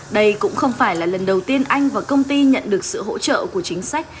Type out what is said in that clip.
đây cũng không phải là lần đầu tiên anh và công ty nhận được sự hỗ trợ của chính sách